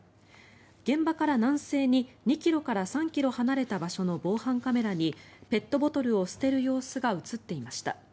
現場から南西に２ｋｍから３ｋｍ離れた場所の防犯カメラにペットボトルを捨てる様子が映っていました。